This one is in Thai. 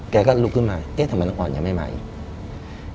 แกก็ลุกขึ้นมาเอ๊ะทำไมน้องออนยังไม่มาอีก